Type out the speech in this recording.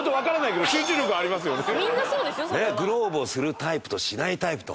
グローブをするタイプとしないタイプと。